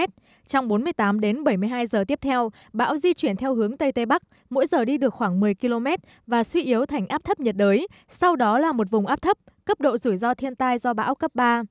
trong bốn mươi tám đến bảy mươi hai giờ tiếp theo bão di chuyển theo hướng tây tây bắc mỗi giờ đi được khoảng một mươi km và suy yếu thành áp thấp nhiệt đới sau đó là một vùng áp thấp cấp độ rủi ro thiên tai do bão cấp ba